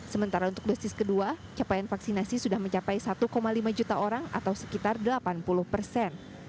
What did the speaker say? sementara untuk dosis kedua capaian vaksinasi sudah mencapai satu lima juta orang atau sekitar delapan puluh persen